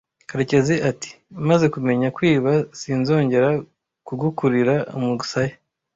karekezi ati: "Maze kumenya kwiba sinzongera kugukurira umusaya